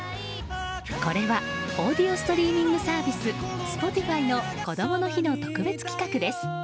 これは、オーディオストリーミングサービスＳｐｏｔｉｆｙのこどもの日の特別企画です。